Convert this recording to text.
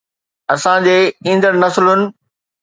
اسان جي ايندڙ نسلن